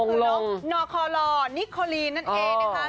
น้องนอคอลอร์นิโคลีนนั่นเองนะฮะ